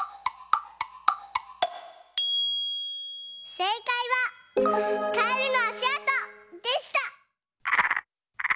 せいかいは「カエルのあしあと」でした！